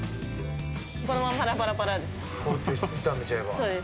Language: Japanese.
このままパラパラパラです。